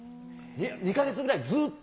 ２か月ぐらいずっと？